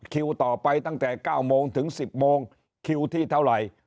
คิวต่อไปตั้งแต่๙โมงถึง๑๐โมงคิวที่เท่าไหร่